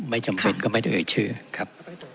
ไม่จำเป็นก็ไม่ได้เอ่ยเชื่อครับ